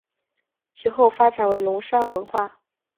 其后发展为龙山文化。